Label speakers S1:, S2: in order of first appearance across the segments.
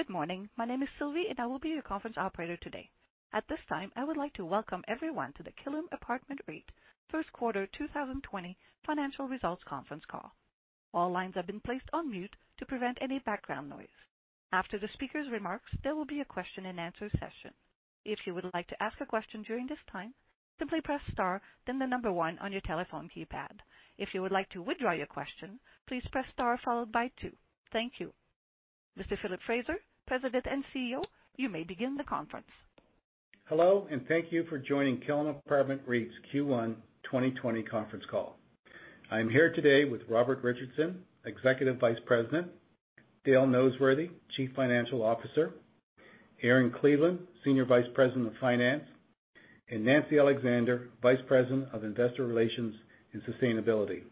S1: Good morning. My name is Sylvie, and I will be your conference operator today. At this time, I would like to welcome everyone to the Killam Apartment REIT first quarter 2020 financial results conference call. All lines have been placed on mute to prevent any background noise. After the speaker's remarks, there will be a question and answer session. If you would like to ask a question during this time, simply press star, then the number one on your telephone keypad. If you would like to withdraw your question, please press star followed by two. Thank you. Mr. Philip Fraser, President and CEO, you may begin the conference.
S2: Hello, and thank you for joining Killam Apartment REIT's Q1 2020 conference call. I am here today with Robert Richardson, Executive Vice President, Dale Noseworthy, Chief Financial Officer, Erin Cleveland, Senior Vice President, Finance, and Nancy Alexander, Vice President, Investor Relations and Sustainability.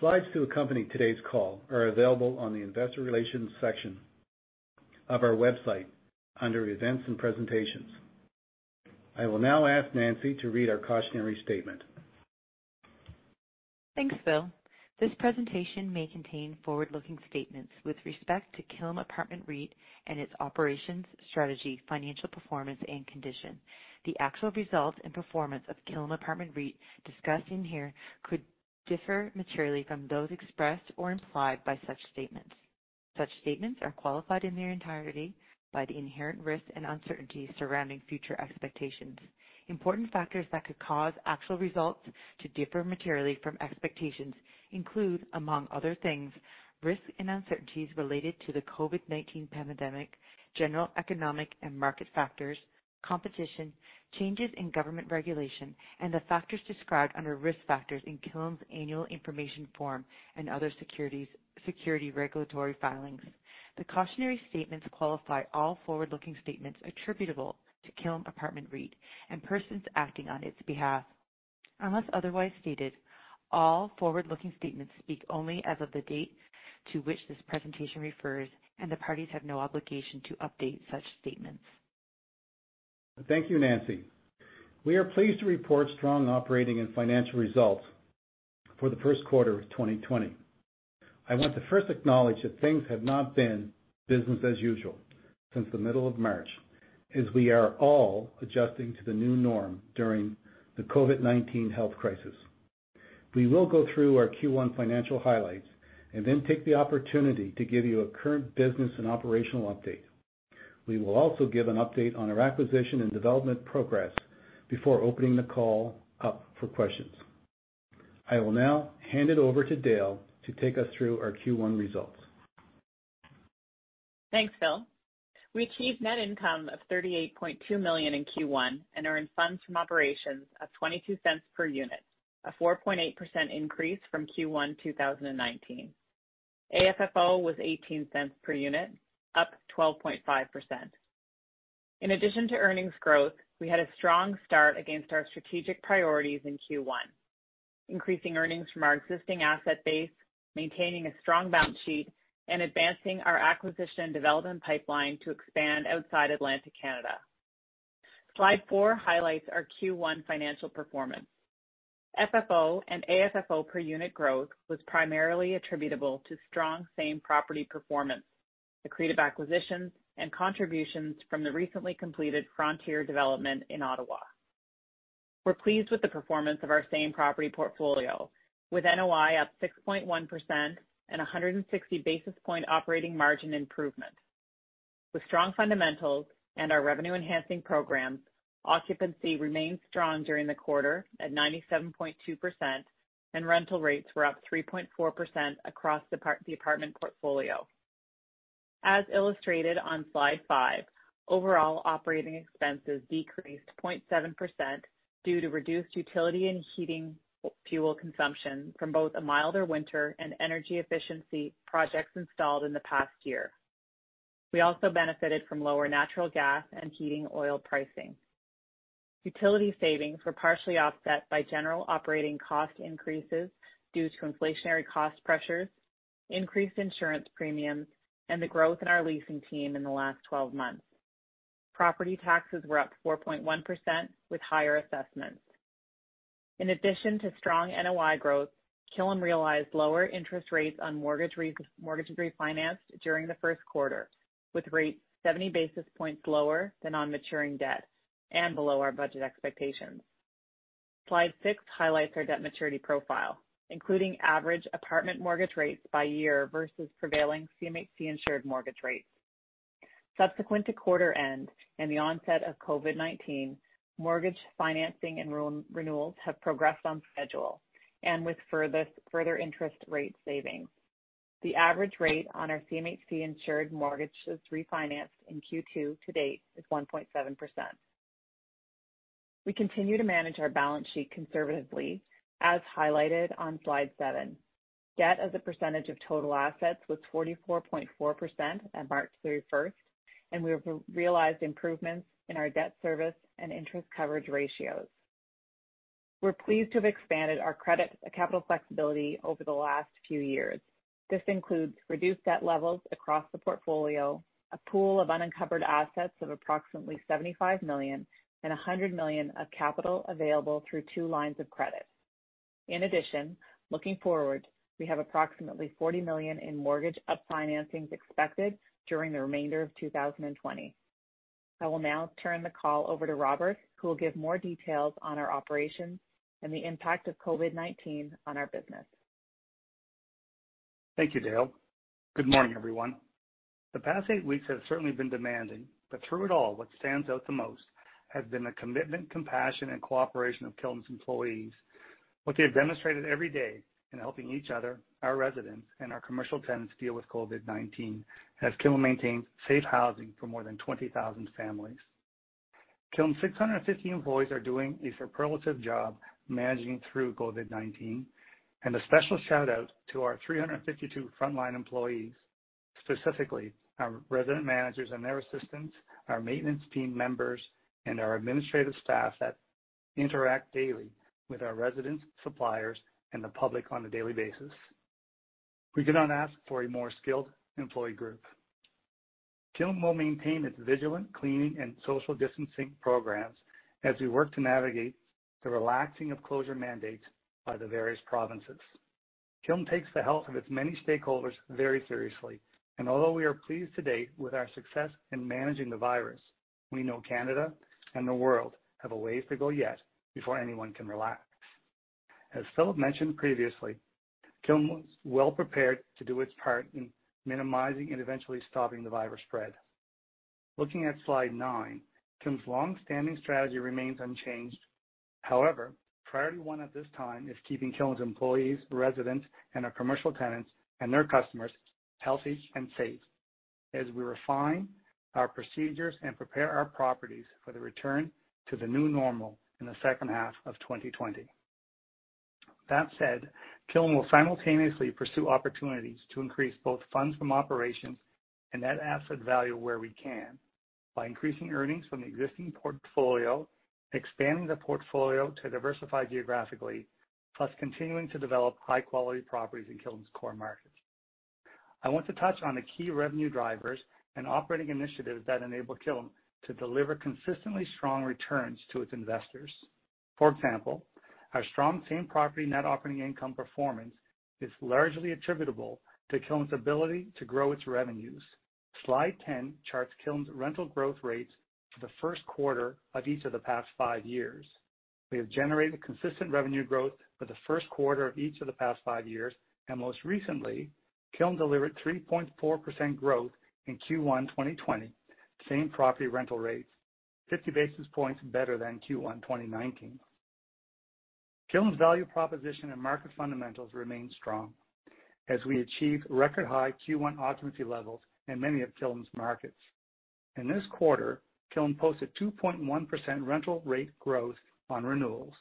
S2: Slides to accompany today's call are available on the investor relations section of our website under events and presentations. I will now ask Nancy to read our cautionary statement.
S3: Thanks, Phil. This presentation may contain forward-looking statements with respect to Killam Apartment REIT and its operations, strategy, financial performance and condition. The actual results and performance of Killam Apartment REIT discussed in here could differ materially from those expressed or implied by such statements. Such statements are qualified in their entirety by the inherent risks and uncertainties surrounding future expectations. Important factors that could cause actual results to differ materially from expectations include, among other things, risks and uncertainties related to the COVID-19 pandemic, general economic and market factors, competition, changes in government regulation, and the factors described under risk factors in Killam's annual information form and other security regulatory filings. The cautionary statements qualify all forward-looking statements attributable to Killam Apartment REIT and persons acting on its behalf. Unless otherwise stated, all forward-looking statements speak only as of the date to which this presentation refers, and the parties have no obligation to update such statements.
S2: Thank you, Nancy. We are pleased to report strong operating and financial results for the first quarter of 2020. I want to first acknowledge that things have not been business as usual since the middle of March, as we are all adjusting to the new norm during the COVID-19 health crisis. We will go through our Q1 financial highlights and then take the opportunity to give you a current business and operational update. We will also give an update on our acquisition and development progress before opening the call up for questions. I will now hand it over to Dale to take us through our Q1 results.
S4: Thanks, Phil. We achieved net income of 38.2 million in Q1 and earned Funds From Operations of 0.22 per unit, a 4.8% increase from Q1 2019. AFFO was 0.18 per unit, up 12.5%. In addition to earnings growth, we had a strong start against our strategic priorities in Q1, increasing earnings from our existing asset base, maintaining a strong balance sheet, and advancing our acquisition development pipeline to expand outside Atlantic Canada. Slide four highlights our Q1 financial performance. FFO and AFFO per unit growth was primarily attributable to strong same-property performance, accretive acquisitions, and contributions from the recently completed Frontier development in Ottawa. We're pleased with the performance of our same-property portfolio, with NOI up 6.1% and 160 basis point operating margin improvement. With strong fundamentals and our revenue-enhancing programs, occupancy remains strong during the quarter at 97.2%, and rental rates were up 3.4% across the apartment portfolio. As illustrated on slide five, overall operating expenses decreased 0.7% due to reduced utility and heating fuel consumption from both a milder winter and energy efficiency projects installed in the past year. We also benefited from lower natural gas and heating oil pricing. Utility savings were partially offset by general operating cost increases due to inflationary cost pressures, increased insurance premiums, and the growth in our leasing team in the last 12 months. Property taxes were up 4.1% with higher assessments. In addition to strong NOI growth, Killam realized lower interest rates on mortgage refinanced during the first quarter, with rates 70 basis points lower than on maturing debt and below our budget expectations. Slide six highlights our debt maturity profile, including average apartment mortgage rates by year versus prevailing CMHC-insured mortgage rates. Subsequent to quarter end and the onset of COVID-19, mortgage financing and renewals have progressed on schedule and with further interest rate savings. The average rate on our CMHC-insured mortgages refinanced in Q2 to date is 1.7%. We continue to manage our balance sheet conservatively, as highlighted on slide seven. Debt as a percentage of total assets was 44.4% at March 31st, and we have realized improvements in our debt service and interest coverage ratios. We're pleased to have expanded our capital flexibility over the last few years. This includes reduced debt levels across the portfolio, a pool of unencumbered assets of approximately 75 million, and 100 million of capital available through two lines of credit. In addition, looking forward, we have approximately 40 million in mortgage upfinancings expected during the remainder of 2020. I will now turn the call over to Robert, who will give more details on our operations and the impact of COVID-19 on our business.
S5: Thank you, Dale. Good morning, everyone. The past eight weeks have certainly been demanding, but through it all, what stands out the most has been the commitment, compassion, and cooperation of Killam's employees. What they have demonstrated every day in helping each other, our residents, and our commercial tenants deal with COVID-19, as Killam maintains safe housing for more than 20,000 families. Killam's 650 employees are doing a superlative job managing through COVID-19, and a special shout-out to our 352 frontline employees, specifically our resident managers and their assistants, our maintenance team members, and our administrative staff that interact daily with our residents, suppliers, and the public on a daily basis. We could not ask for a more skilled employee group. Killam will maintain its vigilant cleaning and social distancing programs as we work to navigate the relaxing of closure mandates by the various provinces. Killam takes the health of its many stakeholders very seriously, and although we are pleased to date with our success in managing the virus, we know Canada and the world have a ways to go yet before anyone can relax. As Philip mentioned previously, Killam was well prepared to do its part in minimizing and eventually stopping the virus spread. Looking at slide nine, Killam's longstanding strategy remains unchanged. However, priority one at this time is keeping Killam's employees, residents, and our commercial tenants and their customers healthy and safe as we refine our procedures and prepare our properties for the return to the new normal in the second half of 2020. That said, Killam will simultaneously pursue opportunities to increase both funds from operations and net asset value where we can by increasing earnings from the existing portfolio, expanding the portfolio to diversify geographically, plus continuing to develop high-quality properties in Killam's core markets. I want to touch on the key revenue drivers and operating initiatives that enable Killam to deliver consistently strong returns to its investors. For example, our strong same-property net operating income performance is largely attributable to Killam's ability to grow its revenues. Slide 10 charts Killam's rental growth rates for the first quarter of each of the past five years. We have generated consistent revenue growth for the first quarter of each of the past five years, and most recently, Killam delivered 3.4% growth in Q1 2020 same-property rental rates, 50 basis points better than Q1 2019. Killam's value proposition and market fundamentals remain strong as we achieve record high Q1 occupancy levels in many of Killam's markets. In this quarter, Killam posted 2.1% rental rate growth on renewals,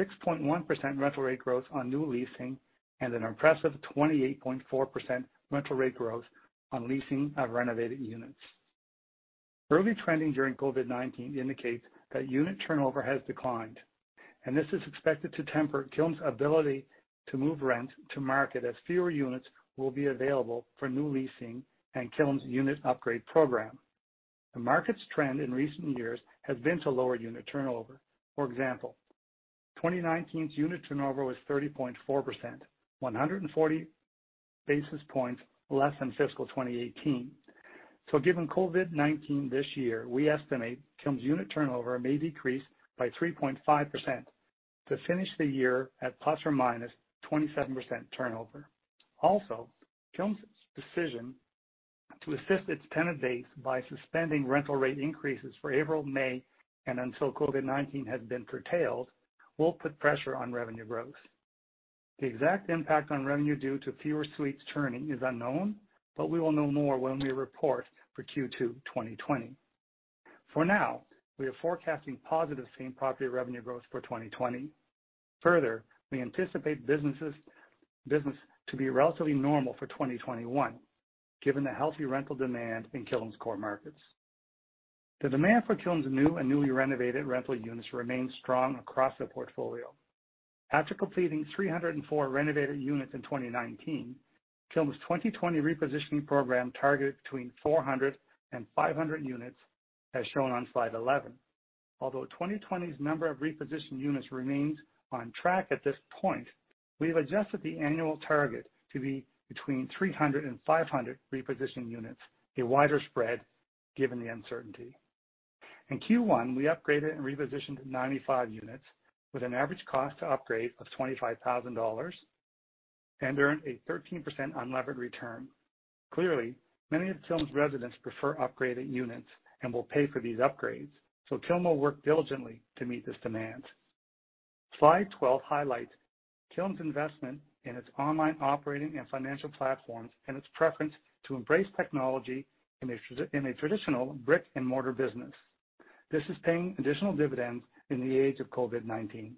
S5: 6.1% rental rate growth on new leasing, and an impressive 28.4% rental rate growth on leasing of renovated units. Early trending during COVID-19 indicates that unit turnover has declined, and this is expected to temper Killam's ability to move rent to market as fewer units will be available for new leasing and Killam's unit upgrade program. The market's trend in recent years has been to lower unit turnover. For example, 2019's unit turnover was 30.4%, 140 basis points less than fiscal 2018. Given COVID-19 this year, we estimate Killam's unit turnover may decrease by 3.5% to finish the year at ±27% turnover. Killam's decision to assist its tenant base by suspending rental rate increases for April, May, and until COVID-19 has been curtailed, will put pressure on revenue growth. The exact impact on revenue due to fewer suites turning is unknown, but we will know more when we report for Q2 2020. For now, we are forecasting positive same-property revenue growth for 2020. Further, we anticipate business to be relatively normal for 2021 given the healthy rental demand in Killam's core markets. The demand for Killam's new and newly renovated rental units remains strong across the portfolio. After completing 304 renovated units in 2019, Killam's 2020 repositioning program targeted between 400 and 500 units, as shown on slide 11. Although 2020's number of repositioned units remains on track at this point, we have adjusted the annual target to be between 300 and 500 repositioned units, a wider spread given the uncertainty. In Q1, we upgraded and repositioned 95 units with an average cost to upgrade of 25,000 dollars and earned a 13% unlevered return. Clearly, many of Killam's residents prefer upgraded units and will pay for these upgrades, so Killam will work diligently to meet this demand. Slide 12 highlights Killam's investment in its online operating and financial platforms and its preference to embrace technology in a traditional brick-and-mortar business. This is paying additional dividends in the age of COVID-19.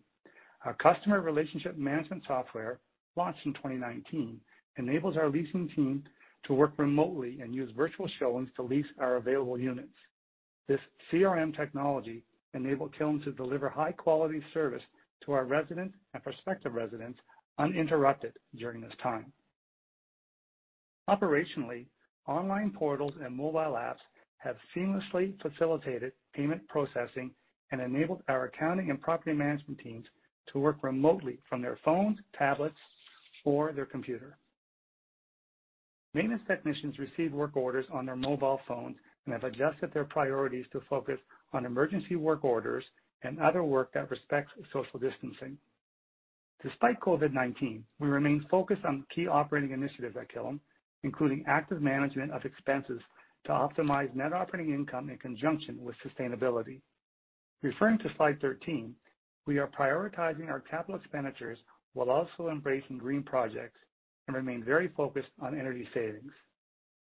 S5: Our customer relationship management software, launched in 2019, enables our leasing team to work remotely and use virtual showings to lease our available units. This CRM technology enabled Killam to deliver high-quality service to our residents and prospective residents uninterrupted during this time. Operationally, online portals and mobile apps have seamlessly facilitated payment processing and enabled our accounting and property management teams to work remotely from their phones, tablets, or their computer. Maintenance technicians receive work orders on their mobile phones and have adjusted their priorities to focus on emergency work orders and other work that respects social distancing. Despite COVID-19, we remain focused on key operating initiatives at Killam, including active management of expenses to optimize net operating income in conjunction with sustainability. Referring to slide 13, we are prioritizing our capital expenditures while also embracing green projects and remain very focused on energy savings.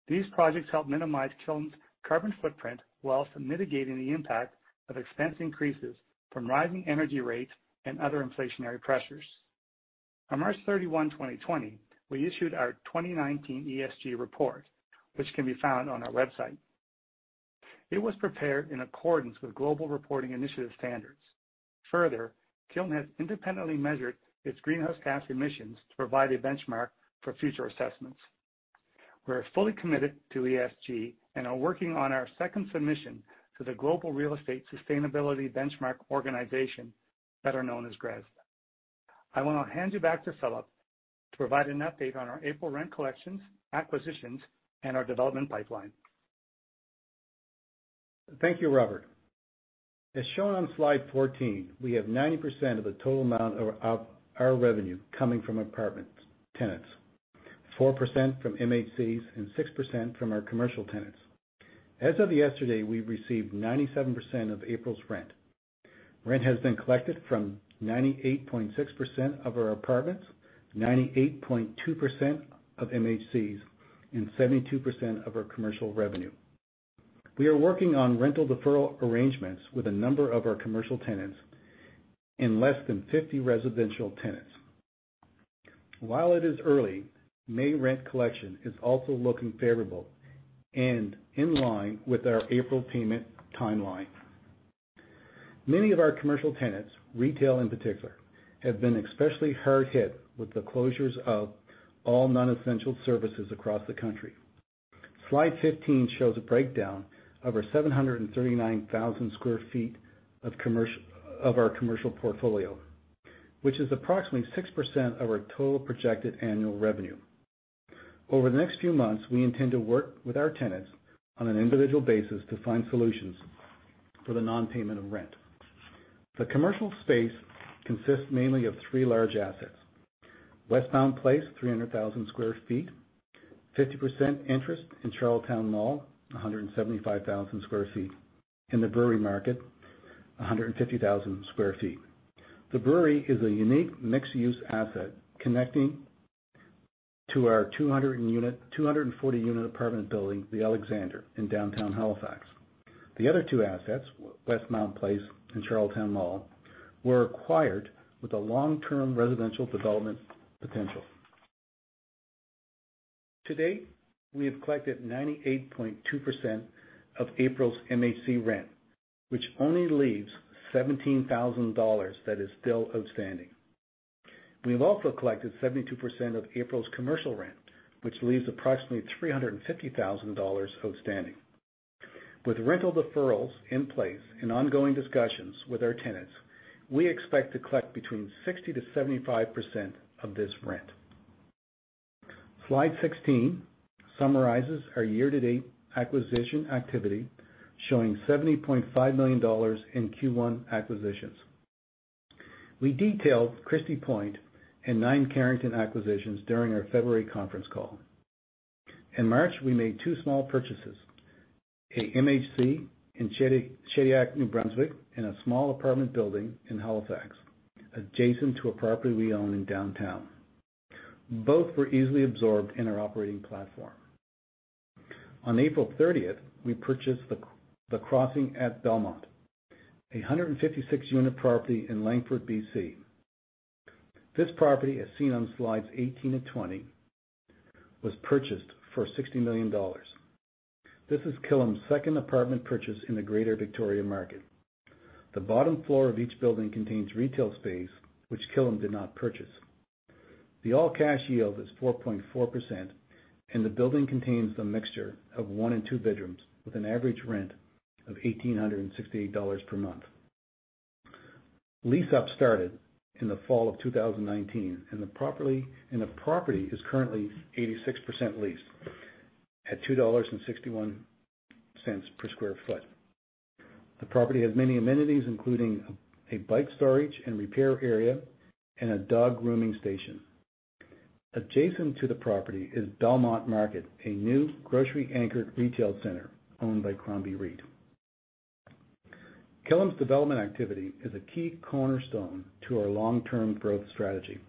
S5: These projects help minimize Killam's carbon footprint while also mitigating the impact of expense increases from rising energy rates and other inflationary pressures. On March 31, 2020, we issued our 2019 ESG report, which can be found on our website. It was prepared in accordance with Global Reporting Initiative standards. Killam has independently measured its greenhouse gas emissions to provide a benchmark for future assessments. We're fully committed to ESG and are working on our second submission to the Global Real Estate Sustainability Benchmark organization, better known as GRESB. I want to hand you back to Philip to provide an update on our April rent collections, acquisitions, and our development pipeline.
S2: Thank you, Robert. As shown on slide 14, we have 90% of the total amount of our revenue coming from apartment tenants, 4% from MHCs, and 6% from our commercial tenants. As of yesterday, we received 97% of April's rent. Rent has been collected from 98.6% of our apartments, 98.2% of MHCs, and 72% of our commercial revenue. We are working on rental deferral arrangements with a number of our commercial tenants and less than 50 residential tenants. While it is early, May rent collection is also looking favorable and in line with our April payment timeline. Many of our commercial tenants, retail in particular, have been especially hard hit with the closures of all non-essential services across the country. Slide 15 shows a breakdown of our 739,000 sq ft of our commercial portfolio, which is approximately 6% of our total projected annual revenue. Over the next few months, we intend to work with our tenants on an individual basis to find solutions for the non-payment of rent. The commercial space consists mainly of three large assets. Westmount Place, 300,000 sq ft. 50% interest in Charlottetown Mall, 175,000 sq ft. The Brewery Market, 150,000 sq ft. The Brewery is a unique mixed-use asset connecting to our 240-unit apartment building, The Alexander, in downtown Halifax. The other two assets, Westmount Place and Charlottetown Mall, were acquired with a long-term residential development potential. To date, we have collected 98.2% of April's MHC rent, which only leaves 17,000 dollars that is still outstanding. We've also collected 72% of April's commercial rent, which leaves approximately 350,000 dollars outstanding. With rental deferrals in place and ongoing discussions with our tenants, we expect to collect between 60%-75% of this rent. Slide 16 summarizes our year-to-date acquisition activity, showing 70.5 million dollars in Q1 acquisitions. We detailed Christie Point and 9 Carrington Place acquisitions during our February conference call. In March, we made two small purchases, a MHC in Shediac, New Brunswick, and a small apartment building in Halifax adjacent to a property we own in downtown. Both were easily absorbed in our operating platform. On April 30th, we purchased The Crossing at Belmont, a 156-unit property in Langford, B.C. This property, as seen on slides 18 to 20, was purchased for 60 million dollars. This is Killam's second apartment purchase in the greater Victoria market. The bottom floor of each building contains retail space, which Killam did not purchase. The all-cash yield is 4.4%, and the building contains a mixture of one and two bedrooms with an average rent of 1,868 dollars per month. Lease-up started in the fall of 2019, and the property is currently 86% leased at CAD 2.61 per sq ft. The property has many amenities, including bike storage and repair area and a dog grooming station. Adjacent to the property is Belmont Market, a new grocery-anchored retail center owned by Crombie REIT. Killam's development activity is a key cornerstone to our long-term growth strategy.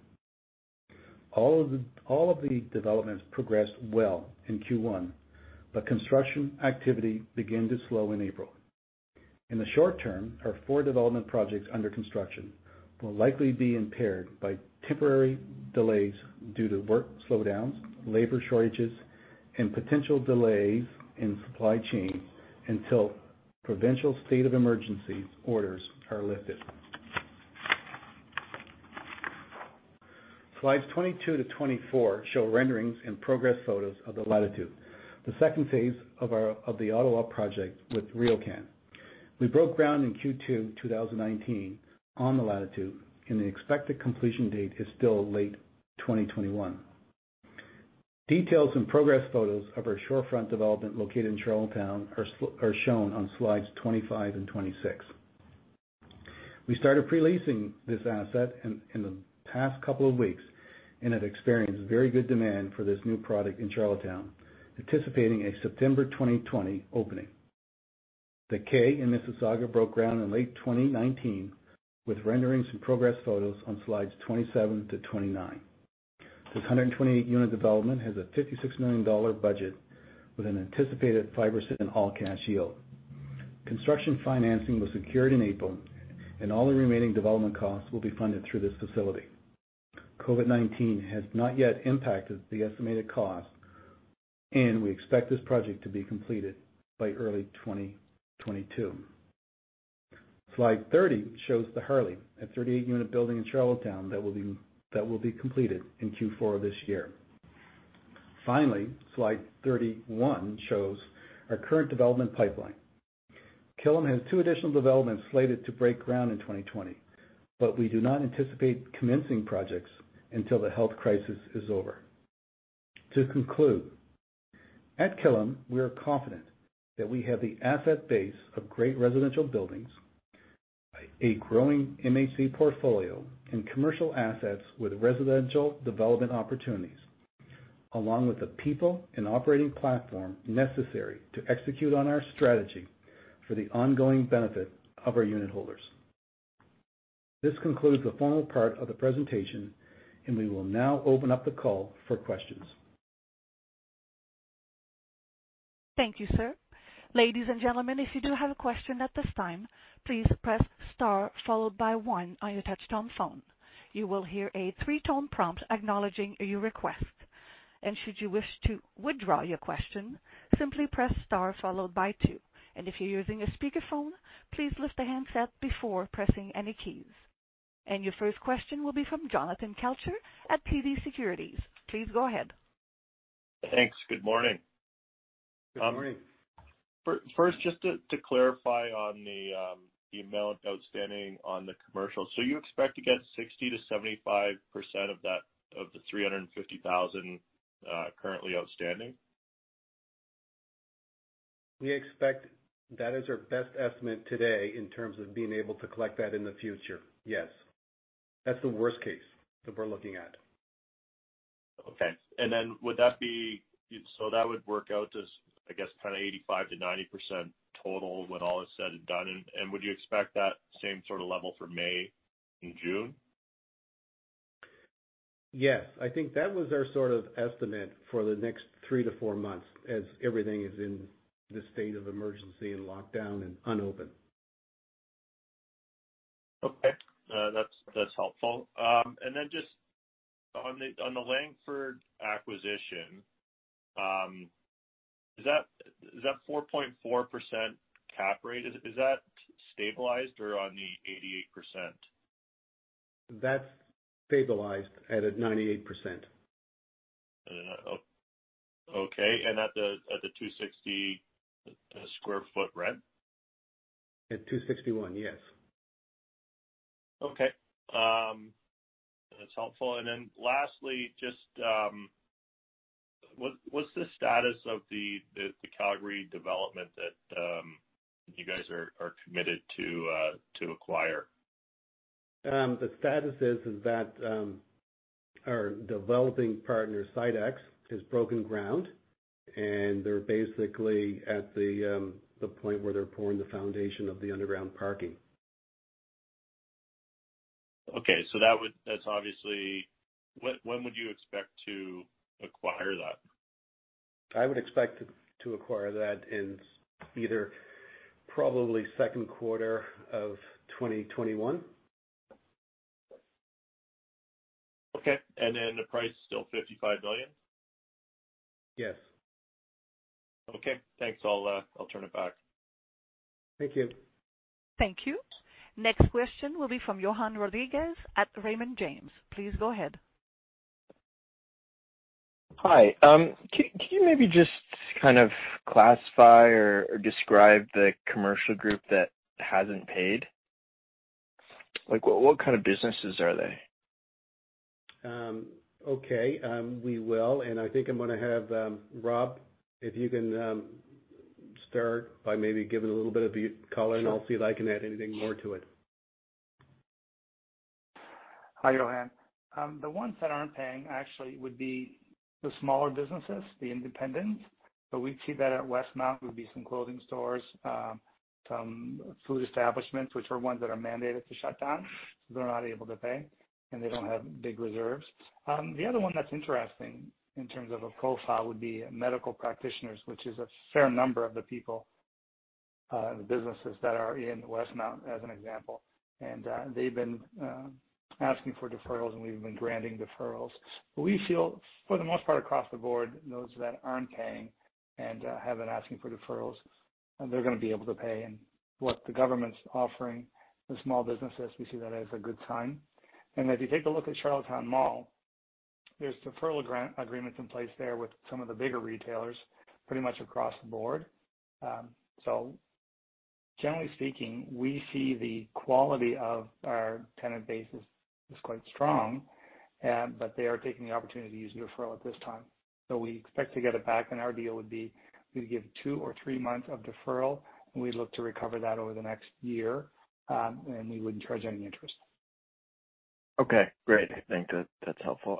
S2: All of the developments progressed well in Q1, but construction activity began to slow in April. In the short term, our four development projects under construction will likely be impaired by temporary delays due to work slowdowns, labor shortages, and potential delays in supply chain until provincial state of emergency orders are lifted. Slides 22 to 24 show renderings and progress photos of Latitude, the second phase of the Ottawa project with RioCan. We broke ground in Q2 2019 on The Latitude, and the expected completion date is still late 2021. Details and progress photos of our Shorefront development located in Charlottetown are shown on slides 25 and 26. We started pre-leasing this asset in the past couple of weeks and have experienced very good demand for this new product in Charlottetown, anticipating a September 2020 opening. The Kay in Mississauga broke ground in late 2019, with renderings and progress photos on slides 27 to 29. This 128-unit development has a 56 million dollar budget with an anticipated 5% all-cash yield. Construction financing was secured in April, and all the remaining development costs will be funded through this facility. COVID-19 has not yet impacted the estimated cost, and we expect this project to be completed by early 2022. Slide 30 shows The Harley, a 38-unit building in Charlottetown that will be completed in Q4 of this year. Finally, slide 31 shows our current development pipeline. Killam has two additional developments slated to break ground in 2020. We do not anticipate commencing projects until the health crisis is over. To conclude, at Killam, we are confident that we have the asset base of great residential buildings, a growing MHC portfolio, and commercial assets with residential development opportunities, along with the people and operating platform necessary to execute on our strategy for the ongoing benefit of our unit holders. This concludes the formal part of the presentation, and we will now open up the call for questions.
S1: Thank you, sir. Ladies and gentlemen, if you do have a question at this time, please press star followed by one on your touch-tone phone. You will hear a three-tone prompt acknowledging your request. Should you wish to withdraw your question, simply press star followed by two. If you're using a speakerphone, please lift the handset before pressing any keys. Your first question will be from Jonathan Kelcher at TD Securities. Please go ahead.
S6: Thanks. Good morning.
S2: Good morning.
S6: First, just to clarify on the amount outstanding on the commercial. You expect to get 60%-75% of the 350,000 currently outstanding?
S2: We expect that is our best estimate today in terms of being able to collect that in the future, yes. That's the worst case that we're looking at.
S6: Okay. That would work out as, I guess, 85%-90% total when all is said and done. Would you expect that same sort of level for May and June?
S2: Yes. I think that was our sort of estimate for the next three to four months, as everything is in the state of emergency and lockdown and unopened.
S6: Okay. That's helpful. Then just on the Langford acquisition, is that 4.4% cap rate, is that stabilized or on the 88%?
S2: That's stabilized at a 98%.
S6: Okay. At the 260 sq ft rent?
S2: At 261, yes.
S6: Okay. That's helpful. Lastly, just what's the status of the Calgary development that you guys are committed to acquire?
S2: The status is that our developing partner, Cidex, has broken ground, and they're basically at the point where they're pouring the foundation of the underground parking.
S6: Okay. When would you expect to acquire that?
S2: I would expect to acquire that in either probably second quarter of 2021.
S6: Okay. Then the price is still 55 million?
S2: Yes.
S6: Okay. Thanks. I'll turn it back.
S2: Thank you.
S1: Thank you. Next question will be from Johann Rodrigues at Raymond James. Please go ahead.
S7: Hi. Can you maybe just kind of classify or describe the commercial group that hasn't paid? What kind of businesses are they?
S2: Okay. We will, and I think I'm going to have Rob, if you can start by maybe giving a little bit of the color. Sure. I'll see if I can add anything more to it.
S5: Hi, Johann. The ones that aren't paying actually would be the smaller businesses, the independents. We'd see that at Westmount would be some clothing stores, some food establishments, which are ones that are mandated to shut down, so they're not able to pay, and they don't have big reserves. The other one that's interesting in terms of a profile would be medical practitioners, which is a fair number of the people, the businesses that are in Westmount, as an example. They've been asking for deferrals, and we've been granting deferrals. We feel, for the most part across the board, those that aren't paying and have been asking for deferrals They're going to be able to pay and what the government's offering the small businesses, we see that as a good sign. If you take a look at Charlottetown Mall, there's deferral grant agreements in place there with some of the bigger retailers pretty much across the board. Generally speaking, we see the quality of our tenant base is quite strong, but they are taking the opportunity to use deferral at this time. We expect to get it back, and our deal would be, we'd give two or three months of deferral, and we'd look to recover that over the next year. We wouldn't charge any interest.
S7: Okay, great. I think that's helpful.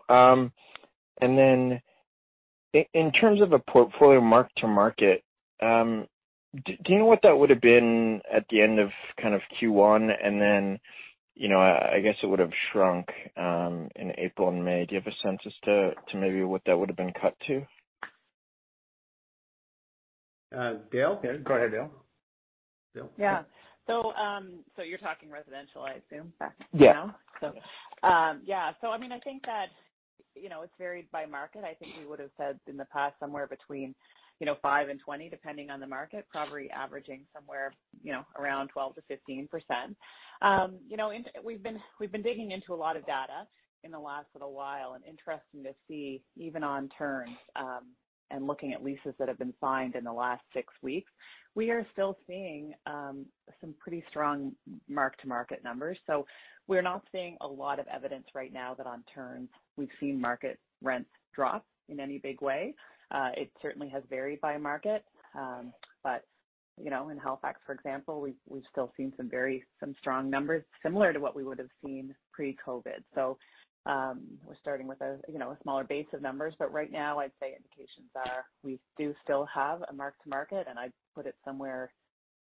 S7: In terms of a portfolio mark to market, do you know what that would've been at the end of Q1? I guess it would've shrunk in April and May. Do you have a sense as to maybe what that would've been cut to?
S2: Dale? Go ahead, Dale. Dale?
S4: Yeah. You're talking residential, I assume, back now?
S7: Yeah.
S4: Yeah. I think that it's varied by market. I think we would've said in the past somewhere between 5%-20% depending on the market, probably averaging somewhere around 12%-15%. We've been digging into a lot of data in the last little while interesting to see even on turns, and looking at leases that have been signed in the last six weeks. We are still seeing some pretty strong mark-to-market numbers. We're not seeing a lot of evidence right now that on turns we've seen market rents drop in any big way. It certainly has varied by market. In Halifax, for example, we've still seen some strong numbers similar to what we would've seen pre-COVID-19. We're starting with a smaller base of numbers, but right now I'd say indications are we do still have a mark to market, and I'd put it somewhere,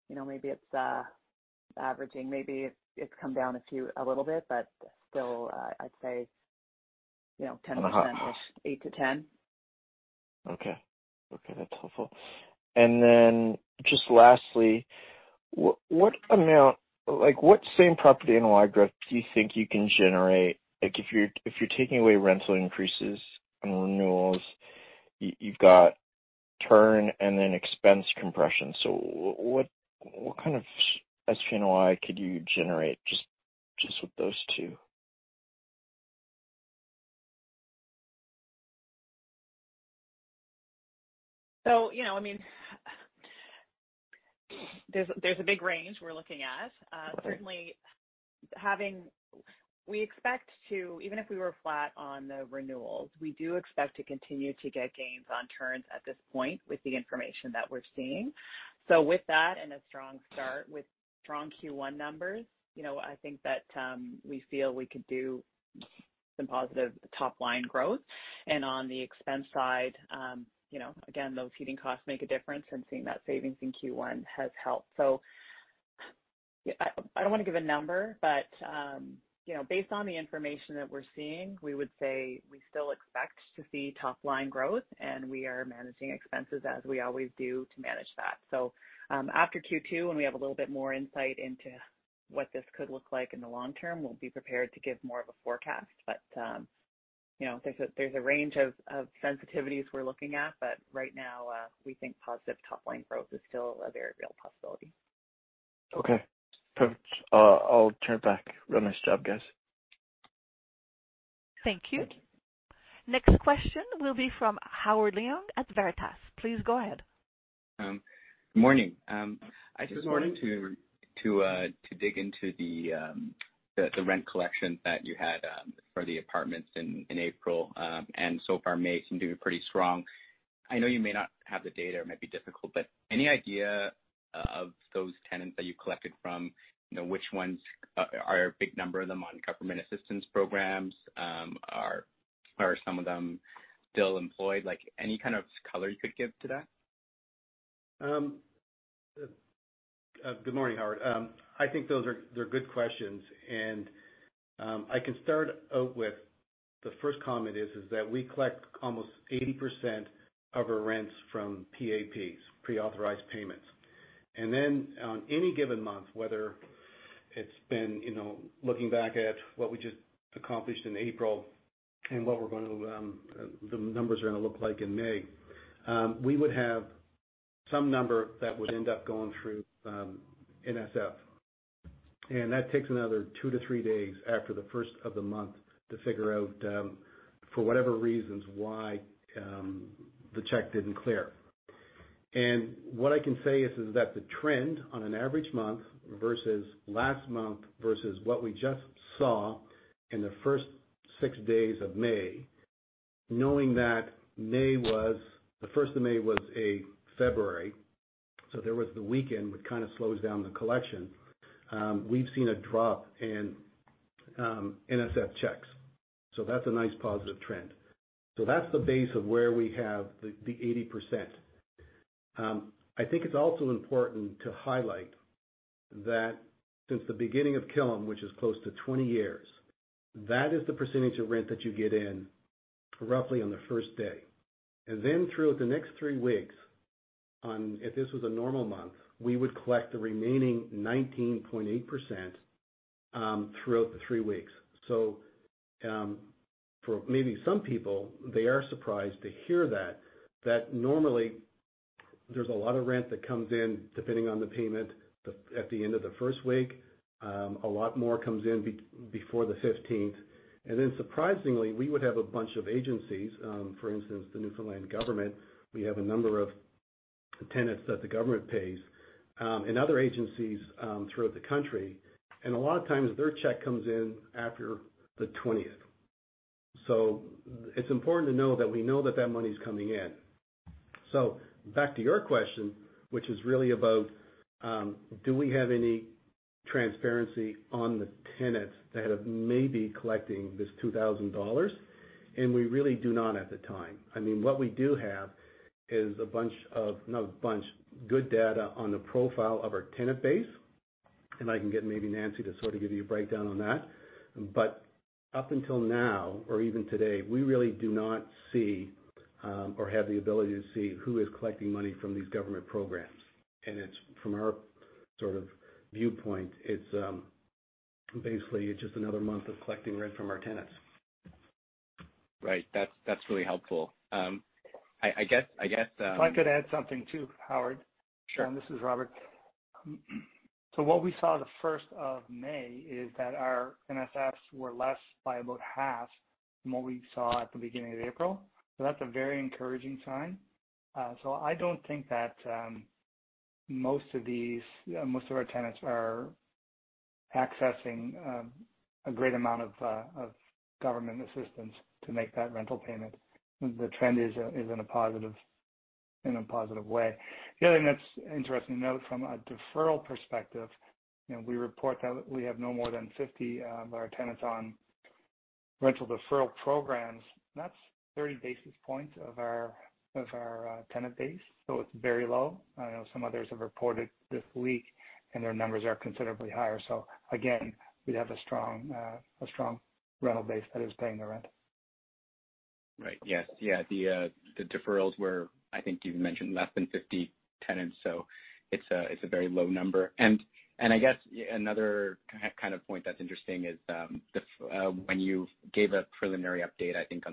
S4: maybe it's averaging, maybe it's come down a little bit, but still, I'd say, 10%.
S7: About half.
S4: 8%-10%.
S7: Okay. That's helpful. Just lastly, what same property NOI growth do you think you can generate? If you're taking away rental increases and renewals, you've got turn and then expense compression. What kind of SPNOI could you generate just with those two?
S4: There's a big range we're looking at. Certainly we expect to, even if we were flat on the renewals, we do expect to continue to get gains on turns at this point with the information that we're seeing. With that and a strong start with strong Q1 numbers, I think that we feel we could do some positive top-line growth. On the expense side, again, those heating costs make a difference and seeing that savings in Q1 has helped. I don't want to give a number, but based on the information that we're seeing, we would say we still expect to see top-line growth, and we are managing expenses as we always do to manage that. After Q2, when we have a little bit more insight into what this could look like in the long term, we'll be prepared to give more of a forecast. There's a range of sensitivities we're looking at, but right now, we think positive top-line growth is still a very real possibility.
S7: Okay, perfect. I'll turn it back. Real nice job, guys.
S1: Thank you. Next question will be from Howard Leung at Veritas. Please go ahead.
S8: Good morning.
S2: Good morning.
S8: I just wanted to dig into the rent collection that you had for the apartments in April. So far, May seemed to be pretty strong. I know you may not have the data, it might be difficult, but any idea of those tenants that you collected from, which ones are a big number of them on government assistance programs? Are some of them still employed? Any kind of color you could give to that?
S2: Good morning, Howard. I think those are good questions. I can start out with the first comment is that we collect almost 80% of our rents from PAPs, pre-authorized payments. On any given month, whether it's been looking back at what we just accomplished in April and what the numbers are going to look like in May. We would have some number that would end up going through NSF. That takes another two to three days after the first of the month to figure out, for whatever reasons, why the check didn't clear. What I can say is that the trend on an average month versus last month versus what we just saw in the first six days of May, knowing that the first of May was a Friday, so there was the weekend, which kind of slows down the collection. We've seen a drop in NSF checks. That's a nice positive trend. That's the base of where we have the 80%. I think it's also important to highlight that since the beginning of Killam, which is close to 20 years, that is the percentage of rent that you get in roughly on the first day. Throughout the next three weeks, if this was a normal month, we would collect the remaining 19.8%. For maybe some people, they are surprised to hear that normally there's a lot of rent that comes in depending on the payment at the end of the first week. A lot more comes in before the 15th. Then surprisingly, we would have a bunch of agencies, for instance, the Newfoundland government. We have a number of tenants that the government pays, and other agencies throughout the country, and a lot of times their check comes in after the 20th. It's important to know that we know that that money's coming in. Back to your question, which is really about, do we have any transparency on the tenants that have maybe collecting this 2,000 dollars? We really do not at the time. What we do have is good data on the profile of our tenant base, and I can get maybe Nancy to sort of give you a breakdown on that. Up until now, or even today, we really do not see, or have the ability to see who is collecting money from these government programs. From our sort of viewpoint, it's basically just another month of collecting rent from our tenants.
S8: Right. That's really helpful.
S5: If I could add something too, Howard.
S8: Sure.
S5: This is Robert. What we saw May 1st is that our NSFs were less by about half from what we saw at the beginning of April. That's a very encouraging sign. I don't think that most of our tenants are accessing a great amount of government assistance to make that rental payment. The trend is in a positive way. The other thing that's interesting to note from a deferral perspective, we report that we have no more than 50 of our tenants on rental deferral programs. That's 30 basis points of our tenant base. It's very low. I know some others have reported this week, and their numbers are considerably higher. Again, we have a strong rental base that is paying the rent.
S8: Right. Yes. The deferrals were, I think you mentioned less than 50 tenants, so it's a very low number. I guess, another kind of point that's interesting is, when you gave a preliminary update, I think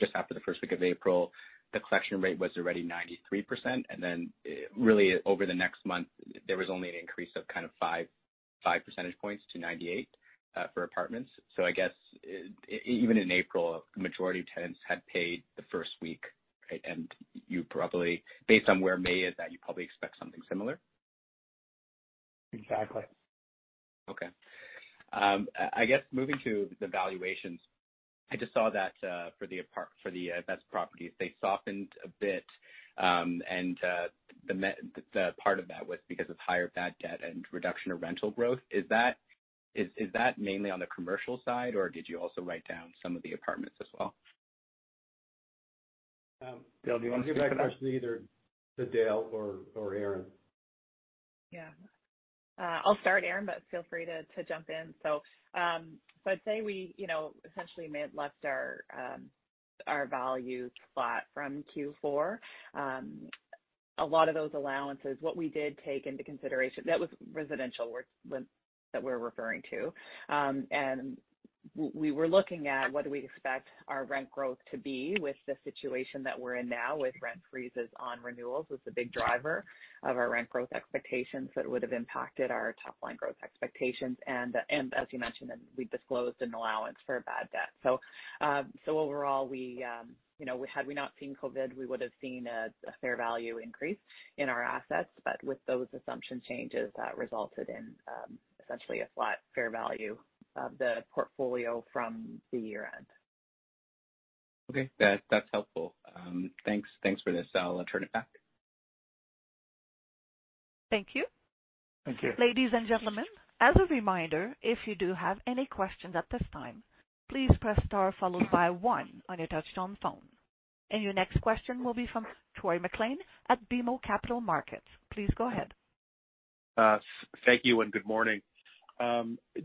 S8: just after the first week of April, the collection rate was already 93%. Then really over the next month, there was only an increase of kind of 5 percentage points to 98 for apartments. I guess, even in April, the majority of tenants had paid the first week. Right? Based on where May is at, you probably expect something similar?
S5: Exactly.
S8: Okay. I guess moving to the valuations, I just saw that, for the best properties, they softened a bit. Part of that was because of higher bad debt and reduction of rental growth. Is that mainly on the commercial side, or did you also write down some of the apartments as well?
S2: Dale, do you want to take that? I'll give that question either to Dale or Erin.
S4: Yeah. I'll start, Erin, but feel free to jump in. I'd say we essentially left our values flat from Q4. A lot of those allowances, what we did take into consideration, that was residential rent that we're referring to. We were looking at what do we expect our rent growth to be with the situation that we're in now with rent freezes on renewals was the big driver of our rent growth expectations that would've impacted our top-line growth expectations. As you mentioned, we disclosed an allowance for bad debt. Overall, had we not seen COVID-19, we would've seen a fair value increase in our assets, but with those assumption changes, that resulted in essentially a flat fair value of the portfolio from the year-end.
S8: Okay. That's helpful. Thanks for this. I'll turn it back.
S1: Thank you.
S2: Thank you.
S1: Ladies and gentlemen, as a reminder, if you do have any questions at this time, please press star followed by one on your touchtone phone. Your next question will be from Troy MacLean at BMO Capital Markets. Please go ahead.
S9: Thank you and good morning.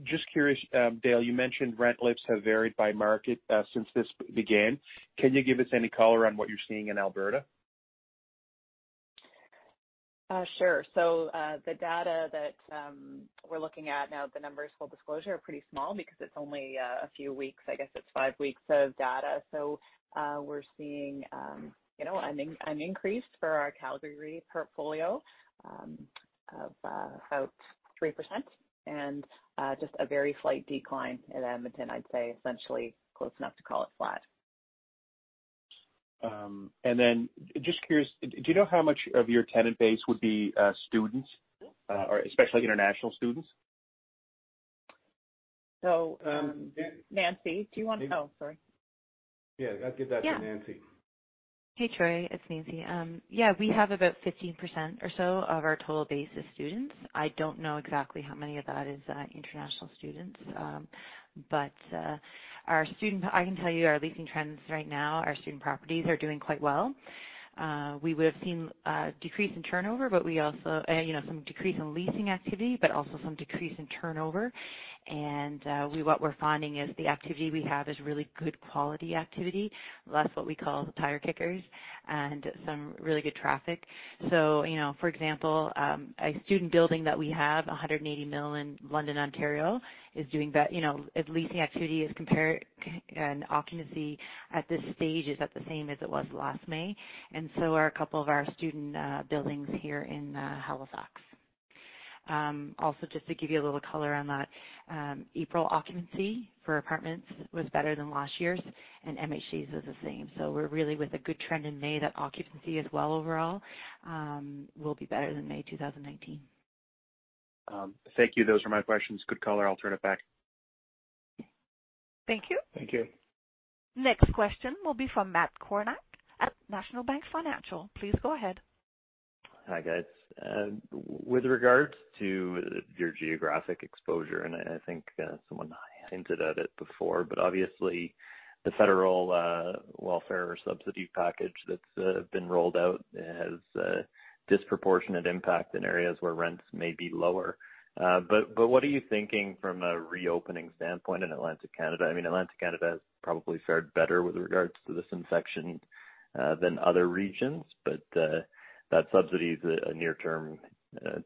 S9: Just curious, Dale, you mentioned rent lifts have varied by market since this began. Can you give us any color on what you're seeing in Alberta?
S4: Sure. The data that we're looking at now, the numbers, full disclosure, are pretty small because it's only a few weeks. I guess it's five weeks of data. We're seeing an increase for our Calgary portfolio of about 3% and just a very slight decline in Edmonton, I'd say essentially close enough to call it flat.
S9: Just curious, do you know how much of your tenant base would be students, especially international students?
S4: Nancy, do you want to Oh, sorry.
S2: Yeah. I'll give that to Nancy.
S3: Hey, Troy, it's Nancy. Yeah, we have about 15% or so of our total base is students. I don't know exactly how many of that is international students. I can tell you our leasing trends right now, our student properties are doing quite well. We would have seen some decrease in leasing activity, but also some decrease in turnover. What we're finding is the activity we have is really good quality activity, less what we call the tire kickers, and some really good traffic. For example, a student building that we have, 180 Mill in London, Ontario, leasing activity and occupancy at this stage is at the same as it was last May, and so are a couple of our student buildings here in Halifax. Just to give you a little color on that April occupancy for apartments was better than last year's, and MHPs are the same. We're really with a good trend in May that occupancy as well overall, will be better than May 2019.
S9: Thank you. Those were my questions. Good color. I'll turn it back.
S1: Thank you.
S2: Thank you.
S1: Next question will be from Matt Kornack at National Bank Financial. Please go ahead.
S10: Hi, guys. With regards to your geographic exposure, and I think someone hinted at it before, but obviously the federal welfare subsidy package that's been rolled out has a disproportionate impact in areas where rents may be lower. What are you thinking from a reopening standpoint in Atlantic Canada? Atlantic Canada has probably fared better with regards to this infection than other regions. That subsidy is a near-term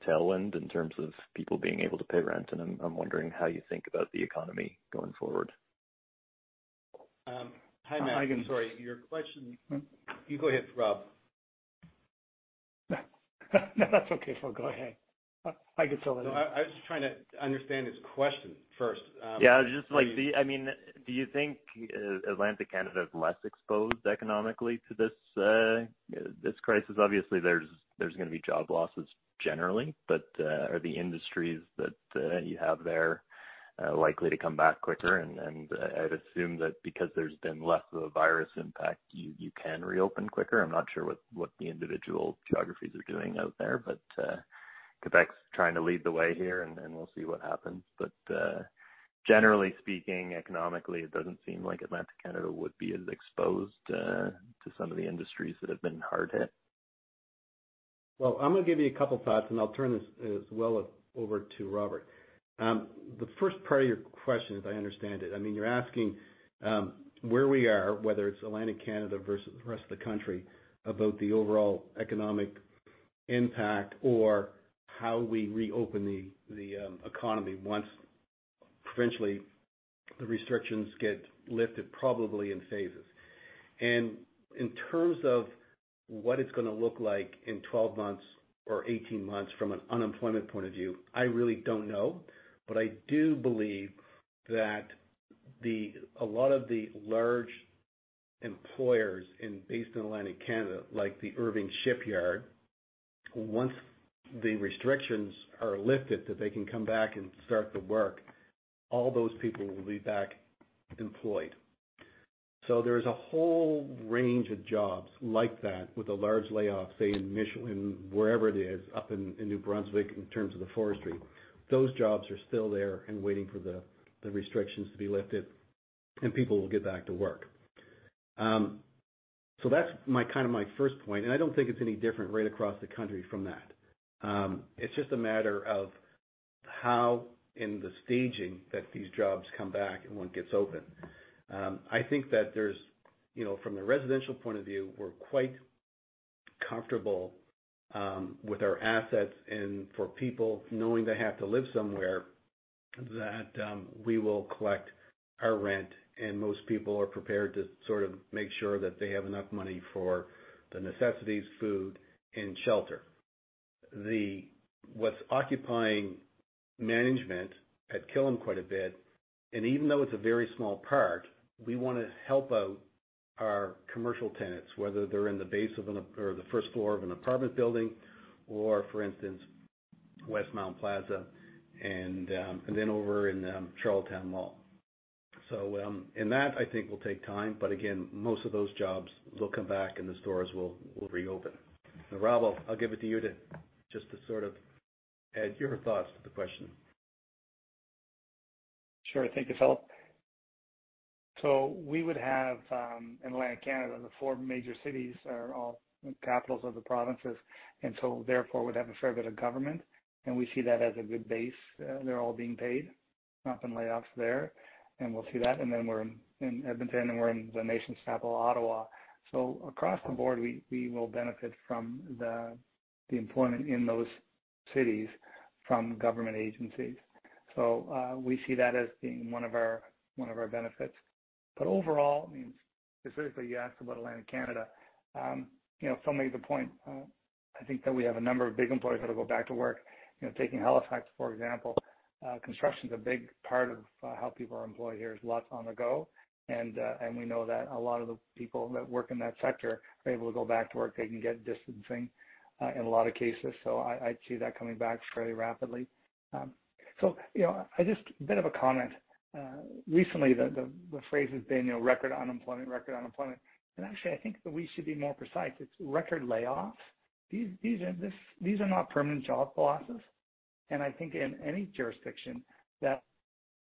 S10: tailwind in terms of people being able to pay rent, and I'm wondering how you think about the economy going forward.
S2: Hi, Matt. Sorry, your question. You go ahead, Rob.
S5: No, that's okay, Phil. Go ahead. I can still hear you.
S2: I was just trying to understand his question first.
S10: Yeah. Do you think Atlantic Canada is less exposed economically to this crisis? Obviously, there's going to be job losses generally, but are the industries that you have there likely to come back quicker? I'd assume that because there's been less of a virus impact, you can reopen quicker. I'm not sure what the individual geographies are doing out there, but Quebec's trying to lead the way here, and we'll see what happens. Generally speaking, economically, it doesn't seem like Atlantic Canada would be as exposed to some of the industries that have been hard hit.
S2: Well, I'm going to give you a couple thoughts, and I'll turn this as well over to Robert. The first part of your question, as I understand it, you're asking where we are, whether it's Atlantic Canada versus the rest of the country, about the overall economic impact or how we reopen the economy once provincially the restrictions get lifted, probably in phases. In terms of what it's going to look like in 12 months or 18 months from an unemployment point of view, I really don't know. I do believe that a lot of the large employers based in Atlantic Canada, like the Irving Shipyard, once the restrictions are lifted that they can come back and start the work, all those people will be back employed. There's a whole range of jobs like that with a large layoff, say, in Michelin, wherever it is up in New Brunswick, in terms of the forestry. Those jobs are still there and waiting for the restrictions to be lifted, and people will get back to work. That's my first point, and I don't think it's any different right across the country from that. It's just a matter of how in the staging that these jobs come back and one gets open. I think that from a residential point of view, we're quite comfortable with our assets and for people knowing they have to live somewhere, that we will collect our rent, and most people are prepared to sort of make sure that they have enough money for the necessities, food, and shelter. What's occupying management at Killam quite a bit, and even though it's a very small part, we want to help out our commercial tenants, whether they're in the base or the first floor of an apartment building or, for instance, Westmount Place and then over in Charlottetown Mall. That I think will take time, but again, most of those jobs will come back, and the stores will reopen. Rob, I'll give it to you just to sort of add your thoughts to the question.
S5: Thank you, Philip. We would have, in Atlantic Canada, the four major cities are all capitals of the provinces, therefore would have a fair bit of government, and we see that as a good base. They're all being paid. Nothing layoffs there. We'll see that. We're in Edmonton, and we're in the nation's capital, Ottawa. Across the board, we will benefit from the employment in those cities from government agencies. We see that as being one of our benefits. Overall, specifically, you asked about Atlantic Canada. Phil made the point, I think that we have a number of big employers that'll go back to work. Taking Halifax, for example. Construction's a big part of how people are employed here. There's lots on the go. We know that a lot of the people that work in that sector are able to go back to work. They can get distancing in a lot of cases. I see that coming back fairly rapidly. Just a bit of a comment. Recently, the phrase has been record unemployment. Actually, I think that we should be more precise. It's record layoffs. These are not permanent job losses. A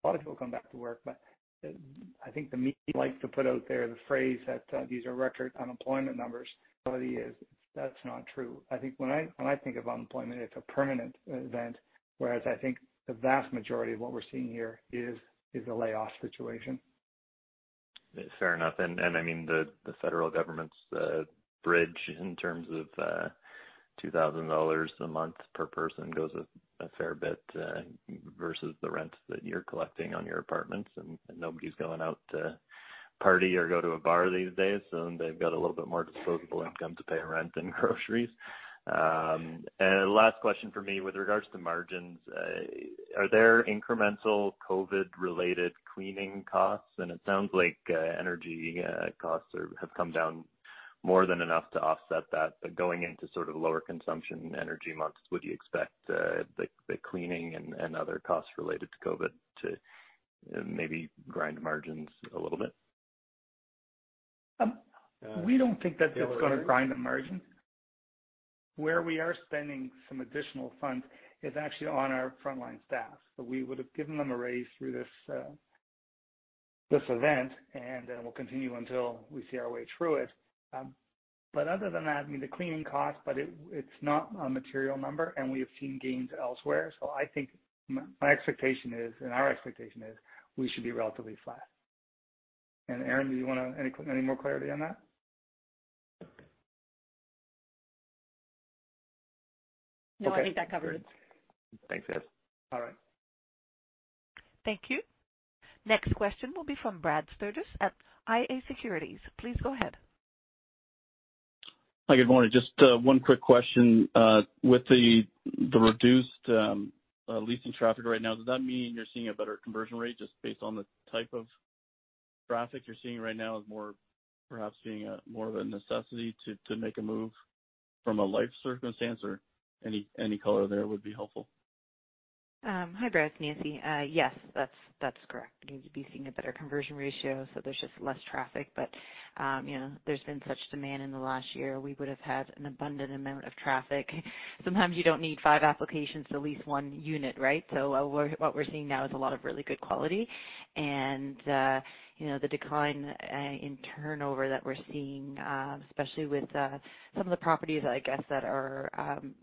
S5: lot of people come back to work, but I think the media likes to put out there the phrase that these are record unemployment numbers. That's not true. I think when I think of unemployment, it's a permanent event, whereas I think the vast majority of what we're seeing here is a layoff situation.
S10: Fair enough. The federal government's bridge in terms of 2,000 dollars a month per person goes a fair bit, versus the rent that you're collecting on your apartments and nobody's going out to party or go to a bar these days. They've got a little bit more disposable income to pay rent and groceries. Last question from me with regards to margins. Are there incremental COVID-19 related cleaning costs? It sounds like energy costs have come down more than enough to offset that. Going into sort of lower consumption energy months, would you expect the cleaning and other costs related to COVID-19 to maybe grind margins a little bit?
S5: We don't think that that's going to grind a margin. Where we are spending some additional funds is actually on our frontline staff. We would've given them a raise through this event, and then we'll continue until we see our way through it. Other than that, I mean, the cleaning cost, but it's not a material number, and we have seen gains elsewhere. I think my expectation is, and our expectation is, we should be relatively flat. Erin, do you want to add any more clarity on that?
S11: No, I think that covers it.
S10: Thanks, guys.
S5: All right.
S1: Thank you. Next question will be from Brad Sturges at IA Securities. Please go ahead.
S12: Hi, good morning. Just one quick question. With the reduced leasing traffic right now, does that mean you're seeing a better conversion rate just based on the type of traffic you're seeing right now is more perhaps being more of a necessity to make a move from a life circumstance or any color there would be helpful?
S3: Hi, Brad. It's Nancy. Yes, that's correct. We seem to be seeing a better conversion ratio. There's just less traffic. There's been such demand in the last year, we would've had an abundant amount of traffic. Sometimes you don't need five applications to lease one unit, right? What we're seeing now is a lot of really good quality and the decline in turnover that we're seeing, especially with some of the properties, I guess, that are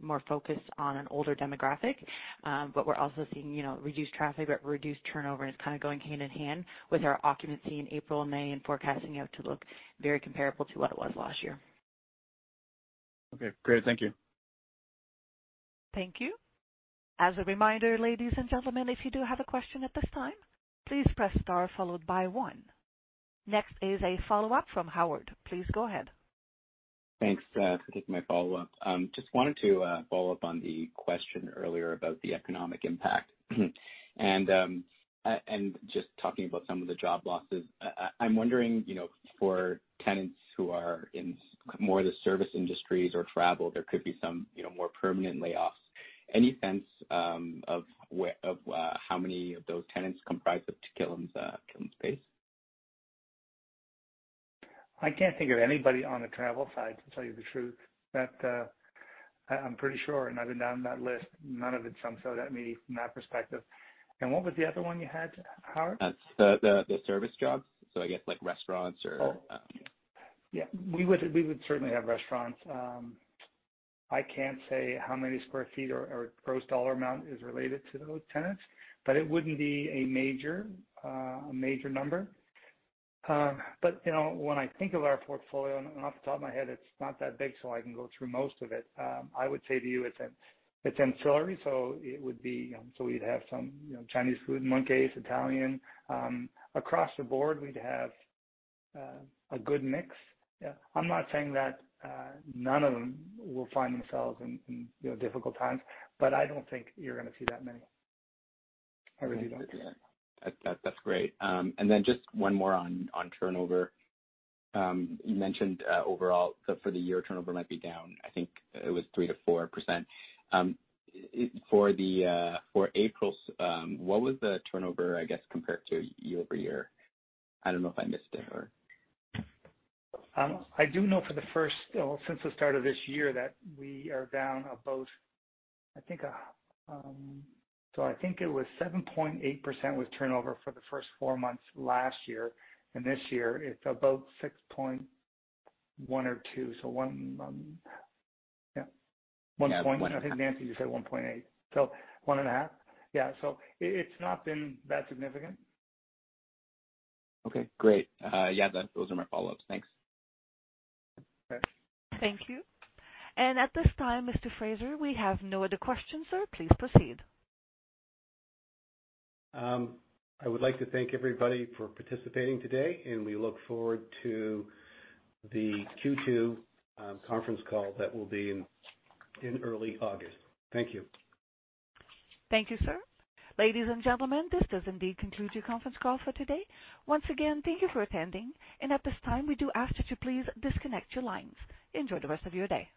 S3: more focused on an older demographic. We're also seeing reduced traffic, but reduced turnover is kind of going hand in hand with our occupancy in April and May and forecasting out to look very comparable to what it was last year.
S12: Okay, great. Thank you.
S1: Thank you. As a reminder, ladies and gentlemen, if you do have a question at this time, please press star followed by one. Next is a follow-up from Howard. Please go ahead.
S8: Thanks. This is my follow-up. Just wanted to follow up on the question earlier about the economic impact. Just talking about some of the job losses. I'm wondering, for tenants who are in more the service industries or travel, there could be some more permanent layoffs. Any sense of how many of those tenants comprise of Killam's space?
S5: I can't think of anybody on the travel side, to tell you the truth. I'm pretty sure, I've been down that list, none of it jumps out at me from that perspective. What was the other one you had, Howard?
S8: The service jobs, so I guess like restaurants or?
S5: Oh, yeah. We would certainly have restaurants. I can't say how many square feet or gross dollar amount is related to those tenants, but it wouldn't be a major number. When I think of our portfolio, and off the top of my head, it's not that big, so I can go through most of it. I would say to you it's ancillary, so we'd have some Chinese food in one case, Italian. Across the board, we'd have a good mix. Yeah. I'm not saying that none of them will find themselves in difficult times, but I don't think you're going to see that many. I really don't.
S8: That's great. Just one more on turnover. You mentioned overall, for the year, turnover might be down. I think it was 3%-4%. For April, what was the turnover, I guess, compared to year-over-year? I don't know if I missed it or?
S5: I do know, since the start of this year, that we are down about, so I think it was 7.8% with turnover for the first four months last year. This year it's about 6.1% or 6.2%. 1.8%.
S3: Yeah, 1.8%.
S5: I think Nancy just said 1.8%. So 1.5%. Yeah. It's not been that significant.
S8: Okay, great. Yeah, those are my follow-ups. Thanks.
S5: Okay.
S1: Thank you. At this time, Mr. Fraser, we have no other questions, sir. Please proceed.
S2: I would like to thank everybody for participating today. We look forward to the Q2 conference call that will be in early August. Thank you.
S1: Thank you, sir. Ladies and gentlemen, this does indeed conclude your conference call for today. Once again, thank you for attending. At this time, we do ask that you please disconnect your lines. Enjoy the rest of your day.